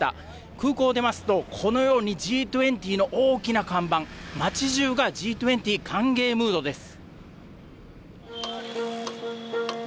空港を出ますと、このようにＧ２０の大きな看板、街じゅうがＧ２０歓迎ムードです。